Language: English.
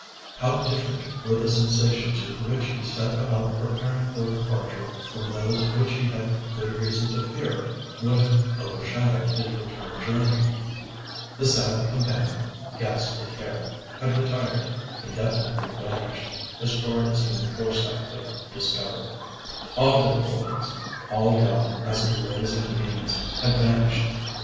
How different were the sensations with which he set about preparing for departure from those which he had good reason to fear would have overshadowed his return journey! "The sad companion, ghastly Care," had retired, indefinitely banished, as far as human foresight could discover. All difficulties, all doubt as to ways and means, had vanished.